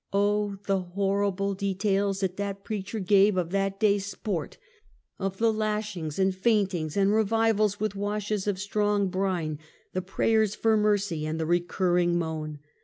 Oh ! the horrible details that that preacher gave of tliat day's sport, of the lashings, and faintings, and revivals, with washes of strong brine, the prayers for mercy, and the recurring moan